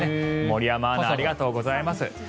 森山アナありがとうございます。